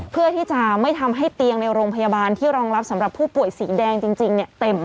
เพื่อที่จะไม่ทำให้เตียงในโรงพยาบาลที่รองรับสำหรับผู้ป่วยสีแดงจริงเต็ม